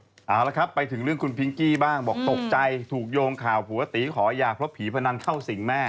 เอาละครับไปถึงเรื่องคุณพิงกี้บ้างบอกตกใจถูกโยงข่าวผัวตีขอหย่าเพราะผีพนันเข้าสิ่งแม่